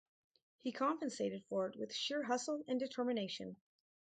He compensated for it with sheer hustle and determination.